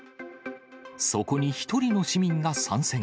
そこに１人の市民が参戦。